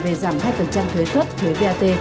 về giảm hai thuế tuất thuế vat